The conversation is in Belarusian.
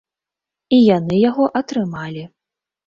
І яны яго атрымалі.